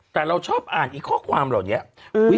แต่เราชอบอ่านข้อความเหล่านี้